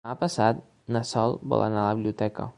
Demà passat na Sol vol anar a la biblioteca.